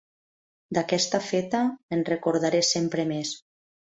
D'aquesta feta, me'n recordaré sempre més.